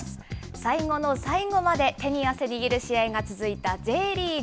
最後の最後まで手に汗握る試合が続いたＪリーグ。